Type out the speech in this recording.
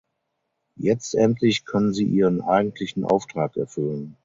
Jetzt endlich können sie ihren eigentlichen Auftrag erfüllen.